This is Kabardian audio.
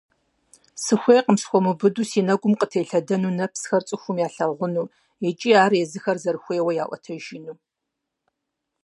Сыхуейкъым схуэмыубыду си нэкӀум къытелъэдэну нэпсхэр цӀыхухэм ялъагъуну икӀи ар езыхэр зэрыхуейуэ яӀуэтэжыну.